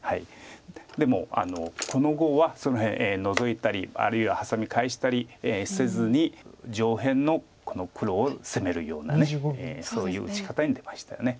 でもこの碁はその辺ノゾいたりあるいはハサミ返したりせずに上辺の黒を攻めるようなそういう打ち方に出ましたよね。